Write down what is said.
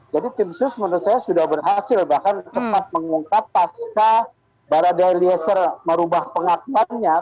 jadi tim sus menurut saya sudah berhasil bahkan cepat mengungkap pasca baradai lieser merubah pengaklannya